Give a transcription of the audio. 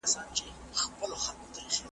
چي د حسن یې ټول مصر خریدار دی .